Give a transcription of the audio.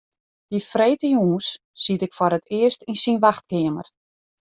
Dy freedtejûns siet ik foar it earst yn syn wachtkeamer.